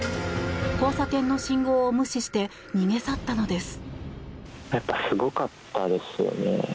交差点の信号を無視して逃げ去ったのです。